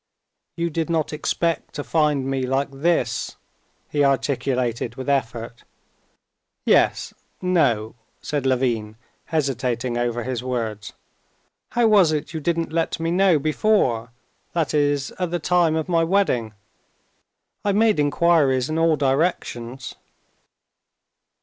"You did not expect to find me like this," he articulated with effort. "Yes ... no," said Levin, hesitating over his words. "How was it you didn't let me know before, that is, at the time of my wedding? I made inquiries in all directions."